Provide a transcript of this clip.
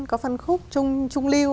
có phân khúc trung lưu